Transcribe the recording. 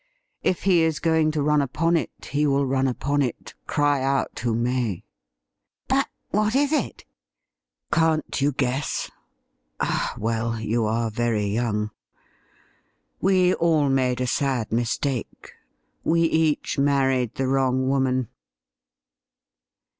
If he is going to run upon it, he will run upon it, cry out who may.' 'But what is it.?' ' Can't you guesi ? Ah, well, you are very young. We 'WILL YOU STAND IN WITH US?' 169 all made a sad mistake; we each married the wrong woman.'